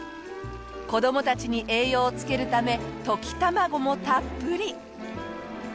子どもたちに栄養をつけるため溶き卵もたっぷり。